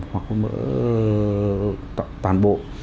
hoặc hút mỡ toàn bộ